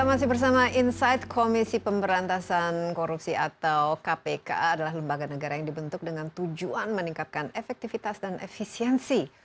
masih bersama insight komisi pemberantasan korupsi atau kpk adalah lembaga negara yang dibentuk dengan tujuan meningkatkan efektivitas dan efisiensi